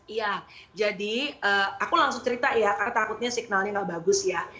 iya jadi aku langsung cerita ya karena takutnya signalnya gak bagus ya